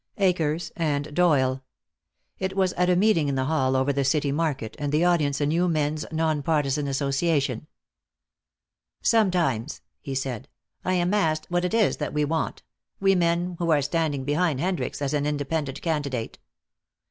Akers and Doyle. It was at a meeting in the hall over the city market, and the audience a new men's non partisan association. "Sometimes," he said, "I am asked what it is that we want, we men who are standing behind Hendricks as an independent candidate."